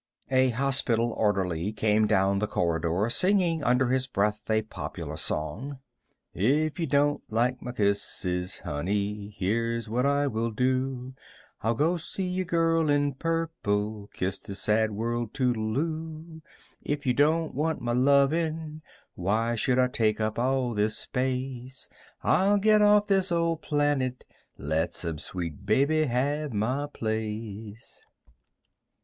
A hospital orderly came down the corridor, singing under his breath a popular song: If you don't like my kisses, honey, Here's what I will do: I'll go see a girl in purple, Kiss this sad world toodle oo. If you don't want my lovin', Why should I take up all this space? I'll get off this old planet, Let some sweet baby have my place.